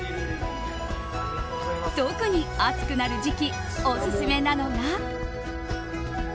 特に暑くなる時期オススメなのが。